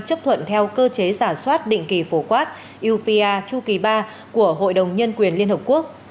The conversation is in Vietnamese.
chấp thuận theo cơ chế giả soát định kỳ phổ quát upr chu kỳ ba của hội đồng nhân quyền liên hợp quốc